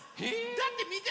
だってみて！